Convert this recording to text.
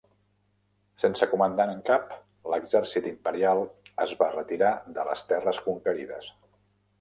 Sense comandant en cap, l'exèrcit imperial es va retirar de les terres conquerides.